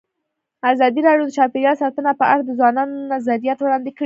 ازادي راډیو د چاپیریال ساتنه په اړه د ځوانانو نظریات وړاندې کړي.